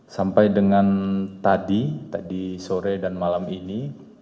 sampai dengan tadi tadi sore dan malam ini